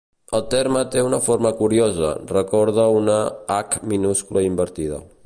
El terme té una forma curiosa: recorda una h minúscula invertida.